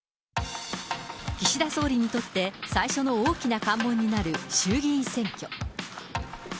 岸田総理にとって、最初の大きな関門になる衆議院選挙。